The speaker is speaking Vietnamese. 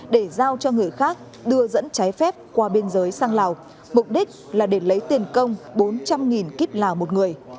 để giao cho người khác đưa dẫn cháy phép qua biên giới sang lào mục đích là để lấy tiền công bốn trăm linh kip lào một người